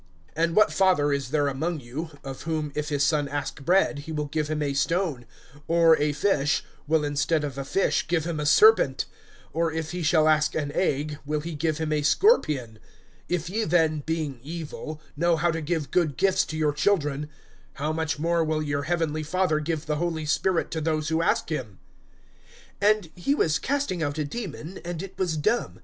(11)And what father is there among you, of whom if his son ask bread, he will give him a stone; or a fish, will instead of a fish give him a serpent? (12)Or if he shall ask an egg, will he give him a scorpion? (13)If ye then, being evil, know how to give good gifts to your children, how much more will your heavenly Father give the Holy Spirit to those who ask him? (14)And he was casting out a demon, and it was dumb.